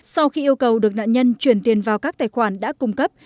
sau khi yêu cầu được nạn nhân chuyển tiền vào các tài khoản đã cung cấp